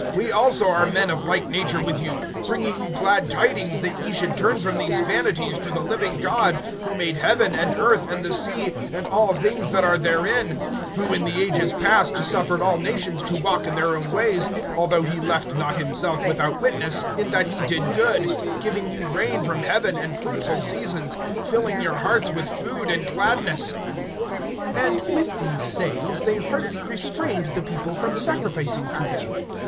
We also are men of like nature with you, bringing you glad tidings, that ye should turn from these vanities to the living God, who made heaven, and earth, and the sea, and all things that are therein; (16)who, in the ages past, suffered all nations to walk in their own ways; (17)although he left not himself without witness, in that he did good, giving you rain from heaven, and fruitful seasons, filling your hearts with food and gladness. (18)And with these sayings they hardly restrained the people from sacrificing to them.